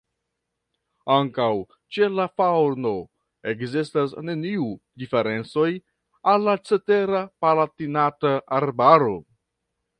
Ankaŭ ĉe la faŭno ekzistas neniu diferencoj al la cetera Palatinata Arbaro.